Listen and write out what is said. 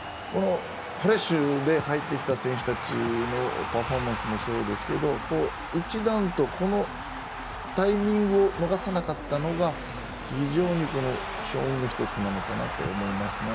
フレッシュで入ってきた選手たちのパフォーマンスもそうですけど一段とこのタイミングを逃さなかったのが非常に勝因の一つなのかなと思いますね。